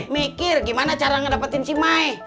mikir gimana cara ngedapetin si mai